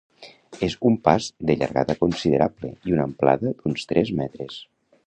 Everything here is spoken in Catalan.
És un pas de llargada considerable i una amplada d'uns tres metres.